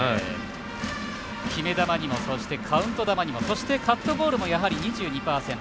決め球にもそしてカウント球にもそして、カットボールもやはり２２％。